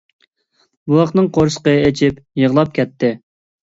بوۋاقنىڭ قورسىقى ئېچىپ يىغلاپ كەتتى.